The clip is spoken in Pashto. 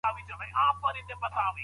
شرم کول ځینې وخت د انسان تاوان وي.